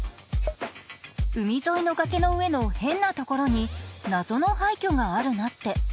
「海沿いの崖の上の変なところに謎の廃墟があるなって」